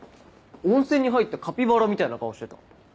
温泉に入ったカピバラみたいな顔してた。